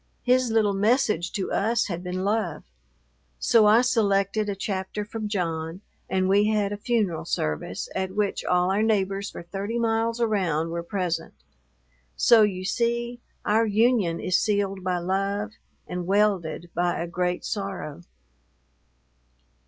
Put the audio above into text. His little message to us had been love, so I selected a chapter from John and we had a funeral service, at which all our neighbors for thirty miles around were present. So you see, our union is sealed by love and welded by a great sorrow.